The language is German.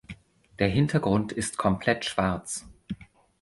Der Hintergrund ist komplett schwarz.